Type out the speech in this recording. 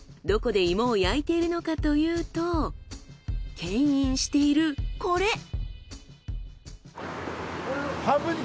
どこで芋を焼いているのかというとけん引しているこれ！